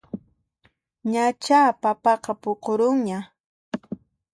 Ñachá papaqa puqurunña